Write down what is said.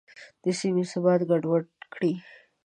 د سیمې ثبات ګډوډ کړي.